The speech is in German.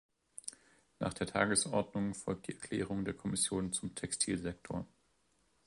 Nach der Tagesordnung folgt die Erklärung der Kommission zum Textilsektor.